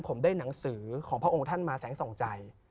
ผมได้หนังสือของพระองค์ท่านมาแสงส่องใจ